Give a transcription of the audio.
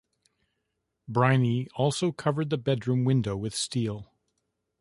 Briney also covered the bedroom window with steel.